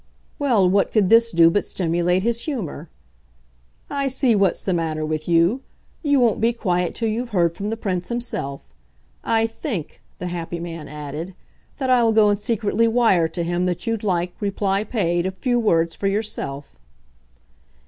Well, what could this do but stimulate his humour? "I see what's the matter with you. You won't be quiet till you've heard from the Prince himself. I think," the happy man added, "that I'll go and secretly wire to him that you'd like, reply paid, a few words for yourself."